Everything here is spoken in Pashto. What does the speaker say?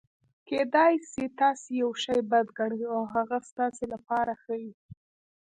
کېدای سي تاسي یوشي بد ګڼى او هغه ستاسي له پاره ښه يي.